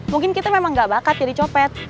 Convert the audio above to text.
mungkin kita memang gak bakat jadi copet